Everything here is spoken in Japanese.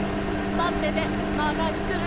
まっててまた作る！